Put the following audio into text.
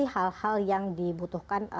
hal hal yang dibutuhkan